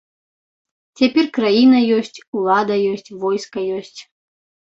Цяпер краіна ёсць, улада ёсць, войска ёсць.